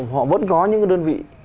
họ vẫn có những cái đơn vị